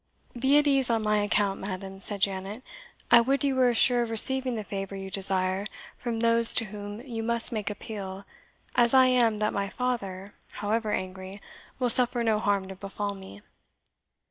"Be at ease on my account, madam," said Janet; "I would you were as sure of receiving the favour you desire from those to whom you must make appeal, as I am that my father, however angry, will suffer no harm to befall me."